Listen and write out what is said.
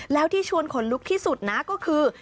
แล้วที่ชวนขนลุกที่สุดนะก็คือ